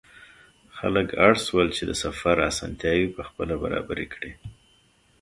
خلک اړ شول چې د سفر اسانتیاوې پخپله برابرې کړي.